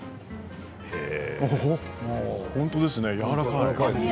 本当ですね、やわらかい。